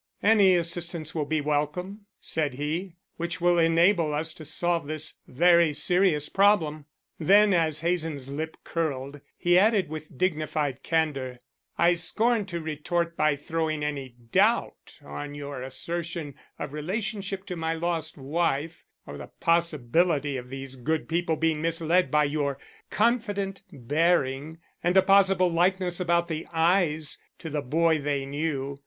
"Any assistance will be welcome," said he, "which will enable us to solve this very serious problem." Then, as Hazen's lip curled, he added with dignified candor, "I scorn to retort by throwing any doubt on your assertion of relationship to my lost wife, or the possibility of these good people being misled by your confident bearing and a possible likeness about the eyes to the boy they knew.